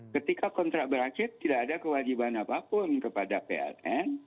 ketika kontrak berakhir tidak ada kewajiban apapun kepada pln